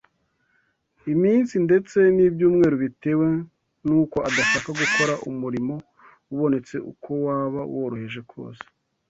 iminsi ndetse n’ibyumweru bitewe n’uko adashaka gukora umurimo ubonetse uko waba woroheje kose